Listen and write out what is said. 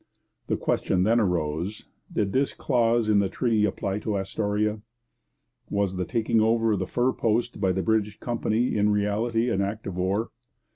The question then arose: did this clause in the treaty apply to Astoria? Was the taking over of the fur post by the British company in reality an act of war?